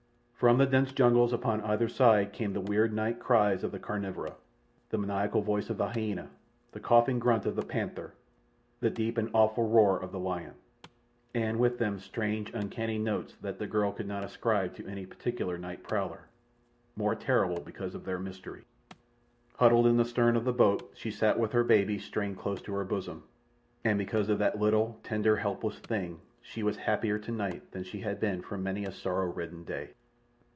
From the dense jungles upon either side came the weird night cries of the carnivora—the maniacal voice of the hyena, the coughing grunt of the panther, the deep and awful roar of the lion. And with them strange, uncanny notes that the girl could not ascribe to any particular night prowler—more terrible because of their mystery. Huddled in the stern of the boat she sat with her baby strained close to her bosom, and because of that little tender, helpless thing she was happier tonight than she had been for many a sorrow ridden day.